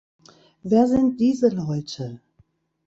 Wer sind diese Leute?